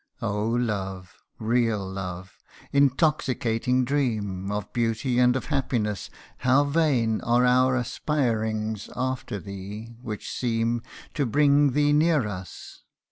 Oh ! love real love ! intoxicating dream Of beauty and of happiness ! how vain Are our aspirings after thee, which seem To bring thee near us